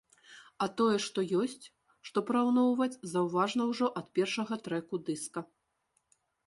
А тое, што ёсць што параўноўваць, заўважна ўжо ад першага трэку дыска.